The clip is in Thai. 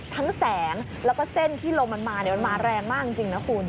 ทั้งแสงแล้วก็เส้นที่ลมมันมามันมาแรงมากจริงนะคุณ